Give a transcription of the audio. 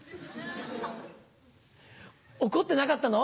怒ってなかったの？